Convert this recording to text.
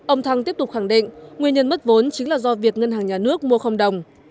ông thăng tiếp tục khẳng định nguyên nhân mất vốn chính là do việc ngân hàng nhà nước mua không đồng